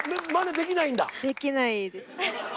できないです。